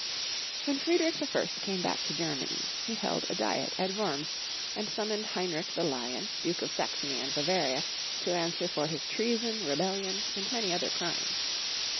WHEN Friedrich I. came back to Germany, he held a diet at Wurms, and summoned Heinrich the Lion, Duke of Saxony and Bavaria, to answer for his treason, rebellion, and many other crimes.